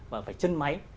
và phải chân máy